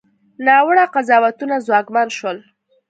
ناوړه قضاوتونه ځواکمن شول.